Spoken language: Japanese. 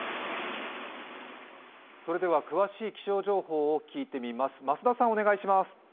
詳しい気象情報を聞いてみます。